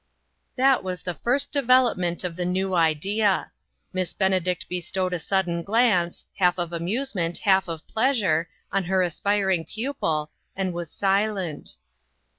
That was the first development of the new idea. Miss Benedict bestowed a sud den glance, half of amusement, half of pleasure, on her aspiring pupil, and was silent.